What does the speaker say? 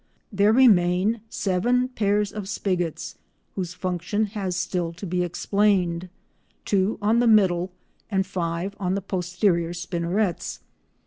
There remain seven pairs of spigots whose function has still to be explained, two on the middle and five on the posterior spinnerets.